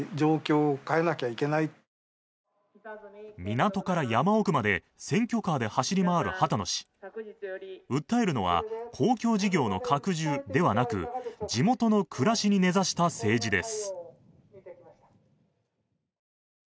港から山奥まで選挙カーで走り回る畑野氏訴えるのは公共事業の拡充ではなく地元の暮らしに根ざした政治です